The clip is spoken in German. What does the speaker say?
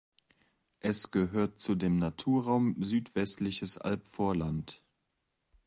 Es gehört zu den Naturraum Südwestliches Albvorland.